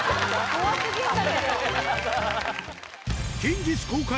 怖すぎるんだけど！